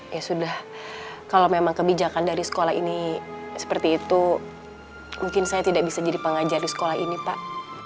ya sudah kalau memang kebijakan dari sekolah ini seperti itu mungkin saya tidak bisa jadi pengajar di sekolah ini pak